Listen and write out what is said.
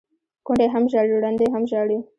ـ کونډې هم ژاړي ړنډې هم ژاړي،